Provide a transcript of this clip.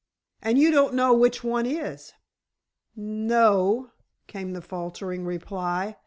"And you don't know which one is?" "N—no," came the faltering reply.